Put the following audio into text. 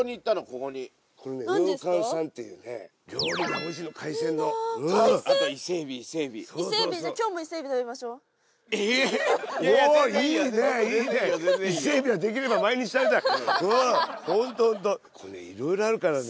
これねいろいろあるからね。